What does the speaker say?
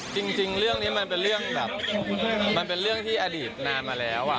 จริงเรื่องนี้มันเป็นเรื่องแบบมันเป็นเรื่องที่อดีตนานมาแล้ว